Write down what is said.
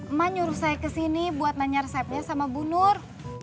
emak nyuruh saya kesini buat nanya resepnya sama bu nur